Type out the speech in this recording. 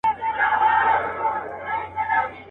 چي د چا پر سر كښېني دوى يې پاچا كي.